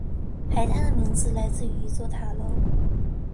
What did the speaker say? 海滩的名字来自于一座塔楼。